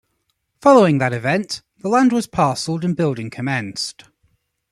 Following that event, the land was parcelled and building commenced.